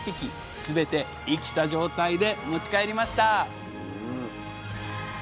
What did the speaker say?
すべて生きた状態で持ち帰りました